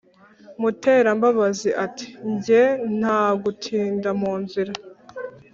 Muterambabazi ati"njye ntagutinda munzira"